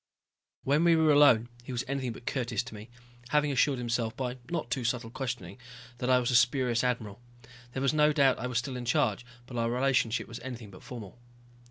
When we were alone he was anything but courteous to me, having assured himself by not too subtle questioning that I was a spurious admiral. There was no doubt I was still in charge, but our relationship was anything but formal.